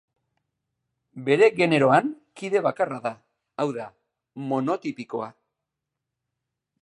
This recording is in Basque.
Bere generoan kide bakarra da, hau da, monotipikoa.